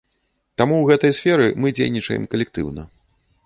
Таму ў гэтай сферы мы дзейнічаем калектыўна.